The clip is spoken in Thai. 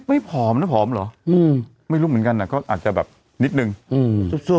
ไม่ผอมนะผอมหรอไม่รู้เหมือนกันนะก็อาจจะแบบนิดนึงสั่วไปนิดนึง